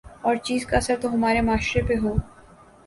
اور چیز کا اثر تو ہمارے معاشرے پہ ہو